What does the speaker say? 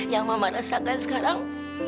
yang mama rasakan sekarang